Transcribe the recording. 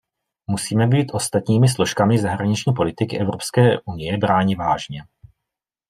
Musíme být ostatními složkami zahraniční politiky Evropské unie bráni vážně.